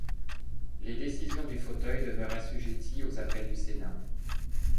Les décisions du fauteuil demeurent assujettis aux appels du Sénat.